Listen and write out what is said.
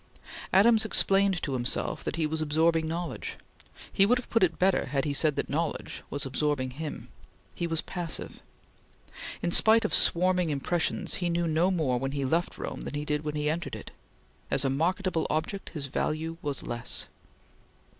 Adams explained to himself that he was absorbing knowledge. He would have put it better had he said that knowledge was absorbing him. He was passive. In spite of swarming impressions he knew no more when he left Rome than he did when he entered it. As a marketable object, his value was less.